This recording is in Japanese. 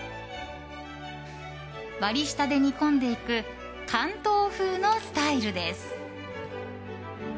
割り下で煮込んでいく関東風のスタイルです。